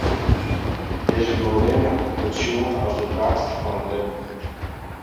Dizze goadinne wurdt sjoen as de draachster fan it libben.